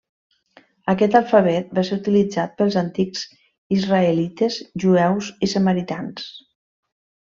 Aquest alfabet va ser utilitzat pels antics israelites, jueus i samaritans.